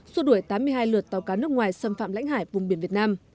xua đuổi tám mươi hai lượt tàu cá nước ngoài xâm phạm lãnh hải vùng biển việt nam